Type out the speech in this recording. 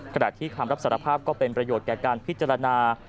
ขณะที่คำรับสารภาพก็เป็นประโยชน์แก่การพิจารณา